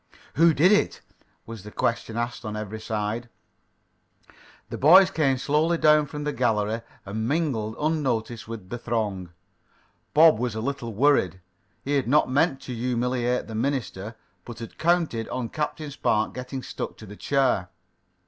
"Who did it?" was the question asked on every side. The boys came slowly down from the gallery and mingled unnoticed with the throng. Bob was a little worried. He had not meant to humiliate the minister, but had counted on Captain Spark getting stuck to the chair.